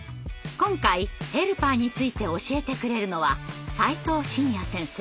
今回ヘルパーについて教えてくれるのは齋藤信弥先生。